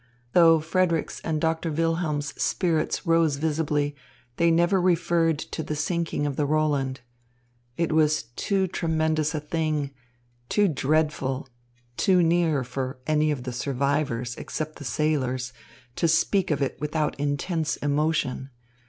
Though Frederick's and Doctor Wilhelm's spirits rose visibly, they never referred to the sinking of the Roland. It was too tremendous a thing, too dreadful, too near for any of the survivors, except the sailors, to speak of it without intense emotion.